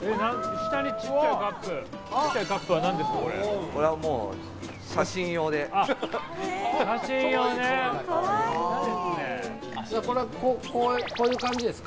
下のちっちゃいカップは何ですか？